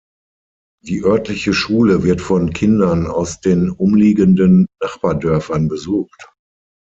Die örtliche Schule wird von Kindern aus den umliegenden Nachbardörfern besucht.